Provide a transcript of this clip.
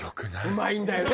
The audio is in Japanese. うまいんだよね。